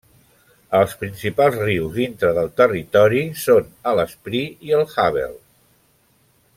Els principals rius dintre del territori són el Spree i el Havel.